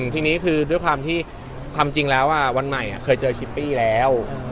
ทีนี้คือด้วยความที่ความจริงแล้ววันใหม่เคยเจอชิปปี้แล้ว